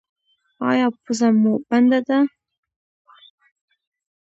ایا پوزه مو بنده ده؟